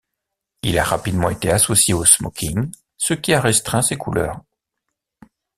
Il a rapidement été associé au smoking, ce qui a restreint ses couleurs.